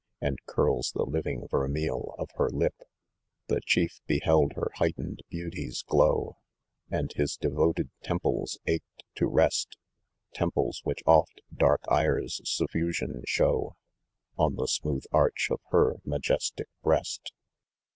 And curls the living vermil of her Up. The eheif beheld her heightened beauties glow, And his de^ot^d temples ached to rest, Temples, which otV dark ire's suffusion shew, On the smooth area of hex majestic breast.